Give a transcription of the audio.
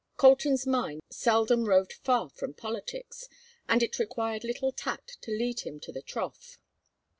Colton's mind seldom roved far from politics, and it required little tact to lead him to the trough.